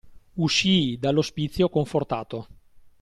Uscii dall'ospizio, confortato.